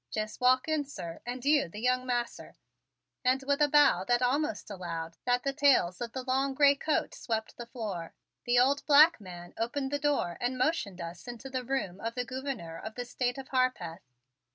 Jest walk in, sir, and you, the young marster," and with a bow that almost allowed that the tails of the long gray coat swept the floor, the old black man opened the door and motioned us into the room of the Gouverneur of the State of Harpeth.